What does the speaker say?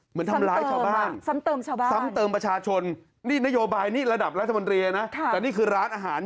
เหมือนทำร้ายชาวบ้านสำเติมประชาชนนี่นโยบายระดับรัฐมนตรีนะแต่นี่คือร้านอาหาร